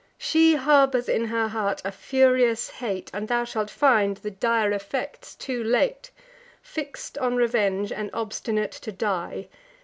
She harbours in her heart a furious hate, And thou shalt find the dire effects too late; Fix'd on revenge, and obstinate to die.